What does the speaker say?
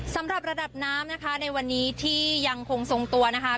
สำหรับระดับน้ำนะคะในวันนี้ที่ยังคงทรงตัวนะคะ